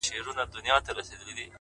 o خیال دي؛